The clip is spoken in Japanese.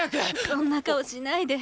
そんな顔しないで。